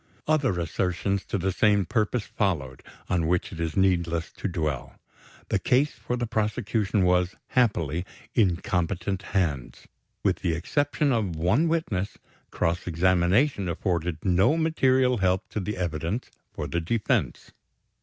Other assertions to the same purpose followed, on which it is needless to dwell. The case for the prosecution was, happily, in competent hands. With the exception of one witness, cross examination afforded no material help to the evidence for the defense.